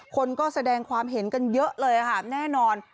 คนก็แสดงความเห็นกันเยอะเลยค่ะแน่นอน